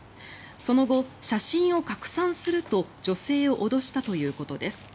その後、写真を拡散すると女性を脅したということです。